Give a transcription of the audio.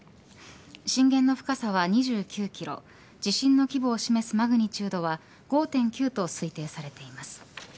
震源の深さは２９キロ地震の規模を示すマグニチュードは５．９と推定されています。